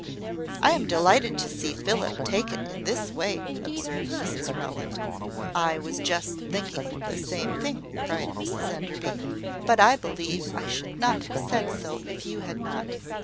"I am delighted to see Philip take it in this way," observed Mrs Rowland. "I was just thinking the same thing," cried Mrs Enderby; "but I believe I should not have said so if you had not.